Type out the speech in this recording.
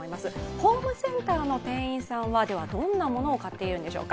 ホームセンターの店員さんはどんなものを購入するのでしょうか。